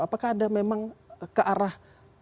apakah ada memang kearah